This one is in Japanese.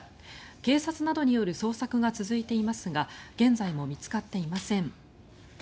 警察などによる捜索が続いていますが現在も見つかっていません。